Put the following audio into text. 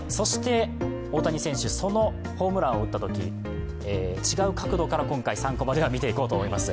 大谷選手、そのホームランを打ったとき、違う角度から今回３コマで見ていきたいと思います。